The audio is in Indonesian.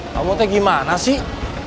kamu teh gimana sih